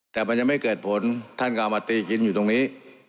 แต่มันยังไม่เกิดผลท่านก็เอามาตีกินอยู่ตรงนี้